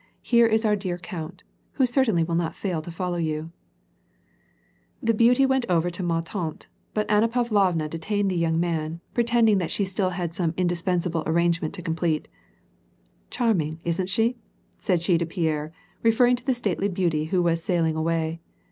here is our dear count, who certainly will not fail to follow you/* The beauty went over to ma tante, but Anna Pavlovna de tained the young man, pretending that she had still some indispensable arrangement to complete. "Charming! isn't she?" said she to Pierre, referring to the stately beauty who was sailing away.